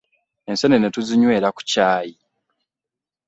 Ensenene tuzinywera ku caayi.